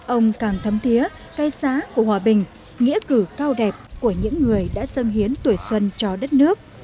ông càng thấm thiế cây xá của hòa bình nghĩa cử cao đẹp của những người đã sân hiến tuổi xuân cho đất nước